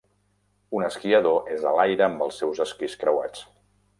Un esquiador és a l'aire amb els seus esquís creuats.